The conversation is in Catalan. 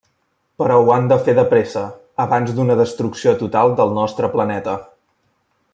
Però ho han de fer de pressa abans d'una destrucció total del nostre planeta.